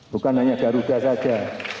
bukan hanya garuda saja